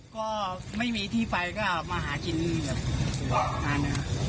ก็ไม่มีที่ไปก็เอามาหาชิ้น